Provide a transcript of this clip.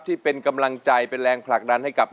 ที่เป็นกำลังใจเป็นแรงผลักดันให้กับ